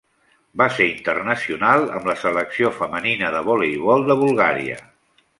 Va ser internacional amb la Selecció femenina de voleibol de Bulgària.